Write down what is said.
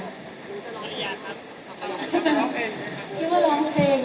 มีรยาค่ะคิดว่าร้องเพลง